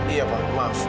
iya pak maaf